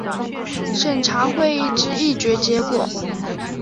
审查会议之议决结果